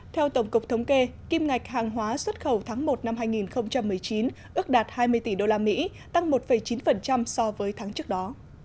theo tổng cục thống kê kim ngạch hàng hóa xuất khẩu tháng một năm hai nghìn một mươi chín ước đạt hai mươi tỷ usd tăng một chín so với tháng trước đó